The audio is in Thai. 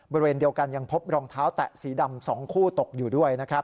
บริเวณเดียวกันยังพบรองเท้าแตะสีดำ๒คู่ตกอยู่ด้วยนะครับ